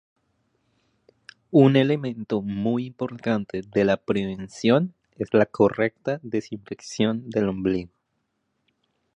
Un elemento muy importante de prevención es la correcta desinfección del ombligo.